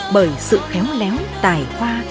bởi sự khéo léo tài hoa